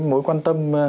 mối quan tâm